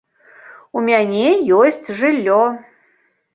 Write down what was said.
У мяне ёсць жыллё.